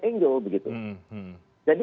angle begitu jadi